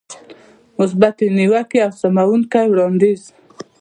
مثبتې نيوکې او سموونکی وړاندیز.